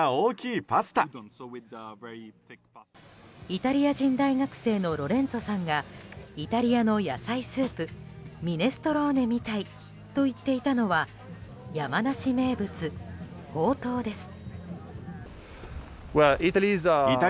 イタリア人学生のロレンツォさんがイタリアの野菜スープミネストローネみたいと言っていたのは山梨名物ほうとうです。